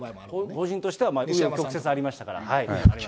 個人としては、う余曲折ありましたから。